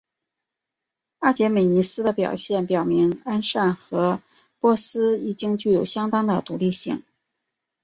阿契美尼斯的表现表明安善和波斯已经具有相当的独立性。